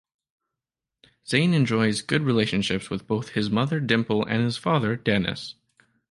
Zane enjoys good relationships with both his mother Dimple and his father Denis.